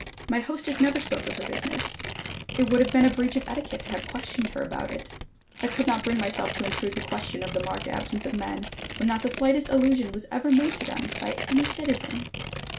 My hostess never spoke of her business. It would have been a breach of etiquette to have questioned her about it. I could not bring myself to intrude the question of the marked absence of men, when not the slightest allusion was ever made to them by any citizen.